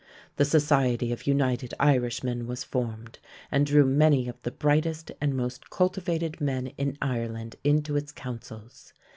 The Society of United Irishmen was formed, and drew many of the brightest and most cultivated men in Ireland into its councils.